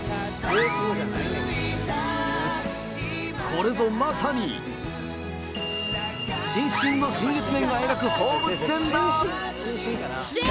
これぞまさに伸身の新月面が描く放物線だ。